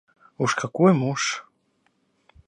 Уж какой муж...